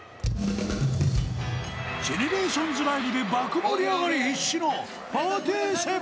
［ＧＥＮＥＲＡＴＩＯＮＳライブで爆盛り上がり必至の］